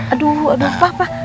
aduh aduh papa